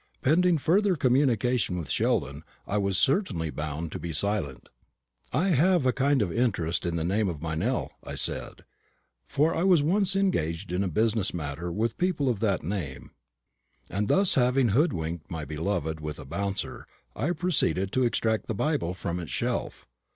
Pending further communication with Sheldon, I was certainly bound to be silent. "I have a kind of interest in the name of Meynell," I said, "for I was once engaged in a business matter with people of that name." And having thus hoodwinked my beloved with a bouncer, I proceeded to extract the Bible from its shelf.